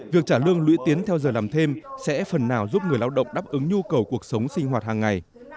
việc trả lương lũy tiến theo giờ làm thêm sẽ phần nào giúp người lao động đáp ứng nhu cầu cuộc sống sinh hoạt hàng ngày